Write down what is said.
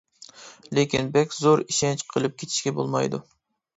لېكىن بەك زور ئىشەنچ قىلىپ كېتىشكە بولمايدۇ.